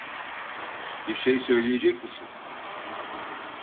Bir şey söyleyecek misin?